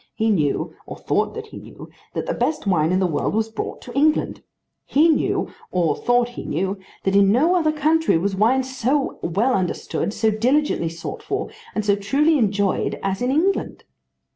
He knew, or thought that he knew, that the best wine in the world was brought to England. He knew, or thought he knew, that in no other country was wine so well understood, so diligently sought for, and so truly enjoyed as in England.